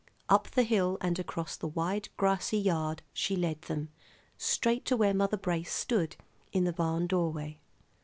Up the hill and across the wide grassy yard she led them, straight to where Mother Brace stood in the barn doorway.